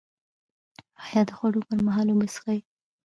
ایا د خوړو پر مهال اوبه څښئ؟